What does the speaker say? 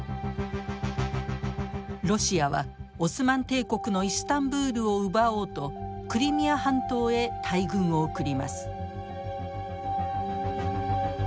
ロシアはオスマン帝国のイスタンブールを奪おうとクリミア半島へ大軍を送ります。